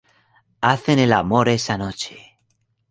Hacen el amor esa noche.